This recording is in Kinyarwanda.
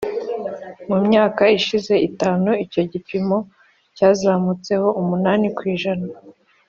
Mu myaka ishize itanu icyo gipimo cyazamutseho umunani ku ijana